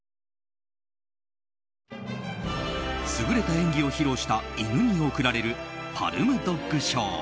優れた演技を披露した犬に贈られるパルム・ドッグ賞。